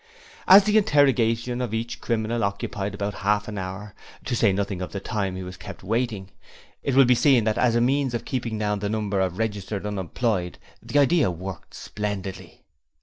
As the interrogation of each criminal occupied about half an hour, to say nothing of the time he was kept waiting, it will be seen that as a means of keeping down the number of registered unemployed the idea worked splendidly.